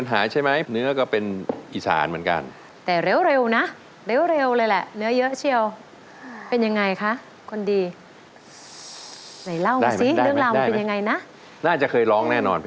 ในเพียงที่๓นี้นะครับ